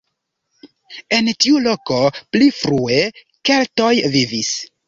En tiu loko pli frue keltoj vivis.